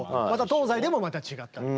東西でもまた違ったり。